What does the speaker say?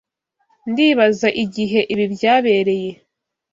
Ndibaza igihe ibi byabereye.